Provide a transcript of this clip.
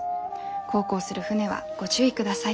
航行する船はご注意ください。